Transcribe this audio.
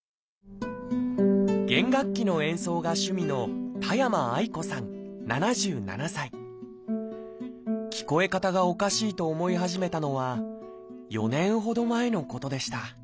弦楽器の演奏が趣味の聞こえ方がおかしいと思い始めたのは４年ほど前のことでしたああ